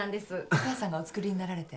お母さんがお作りになられて？